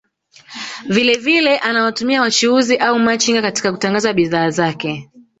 Vile vile anawatumia wachuuzi au machinga katika kutangaza bidhaa zake